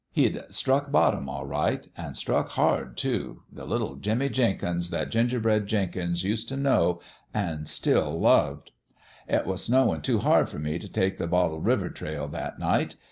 He'd struck bottom, all right an' struck hard, too : the little Jimmie Jenkins that Gingerbread Jenkins used t' know an' still loved. " It was snowin' too hard for me t' take the Bottle River trail that night.